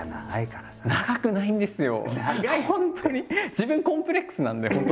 自分コンプレックスなんで本当